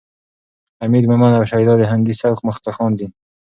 حمید مومند او شیدا د هندي سبک مخکښان دي.